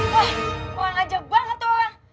wah uang aja banget tuh orang